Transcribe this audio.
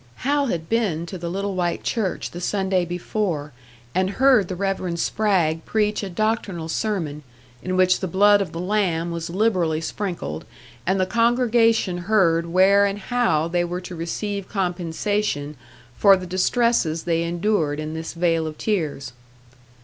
Hal had been to the little white church the Sunday before, and heard the Reverend Spragg preach a doctrinal sermon, in which the blood of the lamb was liberally sprinkled, and the congregation heard where and how they were to receive compensation for the distresses they endured in this vale of tears.